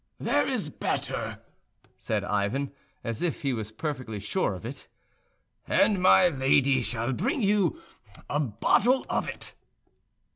"There is better," said Ivan, as if he was perfectly sure of it, "and my lady shall bring you a bottle of it."